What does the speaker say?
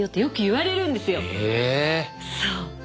そう。